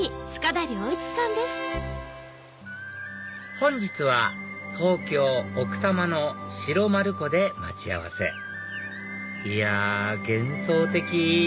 本日は東京・奥多摩の白丸湖で待ち合わせいや幻想的！